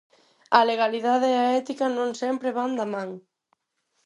A legalidade e a ética non sempre van da man.